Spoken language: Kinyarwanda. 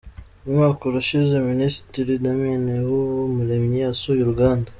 Umwaka urashize Minisitiri Damien Habumuremyi asuye uruganda.